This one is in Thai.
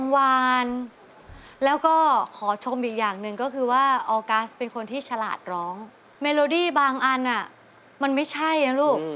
มันไม่ใช่นะลูก